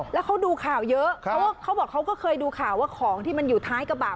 แล้วเขาดูข่าวเยอะเขาบอกเขาก็เคยดูข่าวว่าของที่มันอยู่ท้ายกระบะ